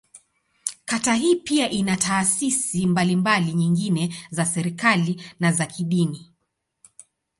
Kata hii pia ina taasisi mbalimbali nyingine za serikali, na za kidini.